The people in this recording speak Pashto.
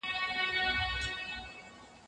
ه کله داسي ښکاري